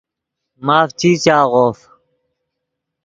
ماف چی چاغوف